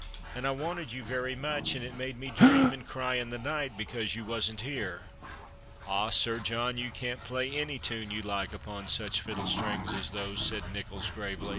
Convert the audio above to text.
And I wanted you very much, and it made me dream and cry in the night because you wasn't here." " Ah, Sir John, you can't play any tune you like upon such fiddle strings as those," said NichoUs, gravely.